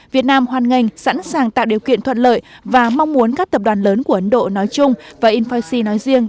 việt nam hoan nghênh sẵn sàng tạo điều kiện thuận lợi và mong muốn các tập đoàn lớn của ấn độ nói chung và infocy nói riêng